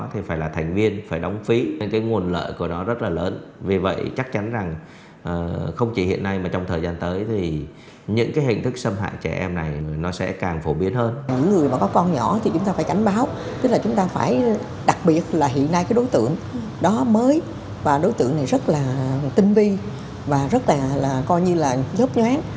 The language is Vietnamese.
hiện nay các đối tượng đó mới và đối tượng này rất là tình vi và rất là coi như là dốc nhoán